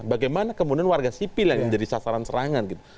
bagaimana kemudian warga sipil yang menjadi sasaran serangan gitu